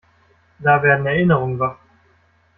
Da werden Erinnerungen wach.